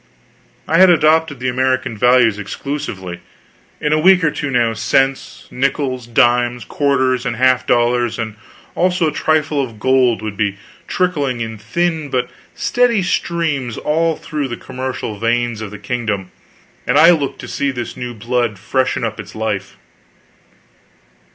I had adopted the American values exclusively. In a week or two now, cents, nickels, dimes, quarters, and half dollars, and also a trifle of gold, would be trickling in thin but steady streams all through the commercial veins of the kingdom, and I looked to see this new blood freshen up its life.